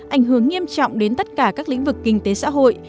ảnh hưởng nghiêm trọng đến tất cả các lĩnh vực kinh tế xã hội